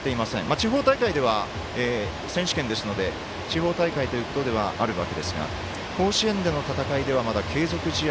地方大会では選手権ですので地方大会ということであるわけですが甲子園での戦いではまだ継続試合